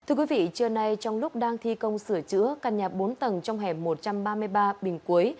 thưa quý vị trưa nay trong lúc đang thi công sửa chữa căn nhà bốn tầng trong hẻm một trăm ba mươi ba bình quế